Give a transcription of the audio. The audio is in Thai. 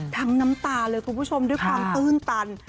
น้ำตาเลยคุณผู้ชมด้วยความตื้นตัน